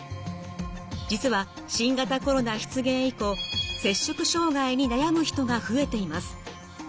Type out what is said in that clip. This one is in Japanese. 実は新型コロナ出現以降摂食障害に悩む人が増えています。